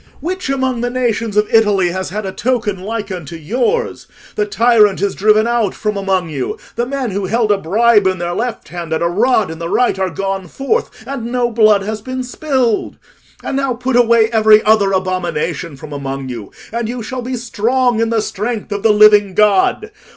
Which among the nations of Italy has had a token like unto yours? The tyrant is driven out from among you: the men who held a bribe in their left hand and a rod in the right are gone forth, and no blood has been spilled. And now put away every other abomination from among you, and you shall be strong in the strength of the living God.